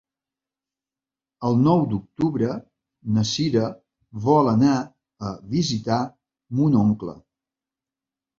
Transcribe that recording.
El nou d'octubre na Sira vol anar a visitar mon oncle.